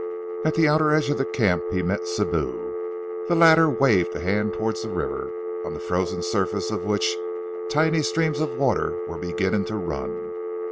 At the outer edge of the camp he met Sibou. The latter waved a hand towards the river, on the frozen surface of which tiny streams of water were beginning to run.